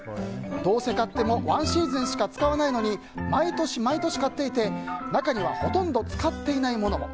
どうせ買っても１シーズンしか使わないのに毎年毎年買っていて、中にはほとんど使っていないものも。